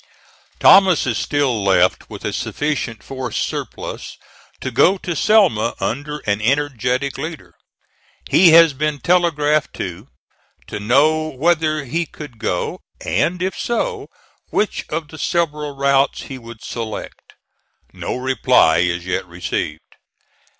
Thomas is still left with a sufficient force surplus to go to Selma under an energetic leader. He has been telegraphed to, to know whether he could go, and, if so, which of the several routes he would select. No reply is yet received.